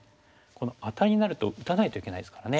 アタリになると打たないといけないですからね。